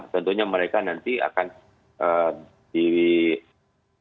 tentunya mereka nanti akan diberikan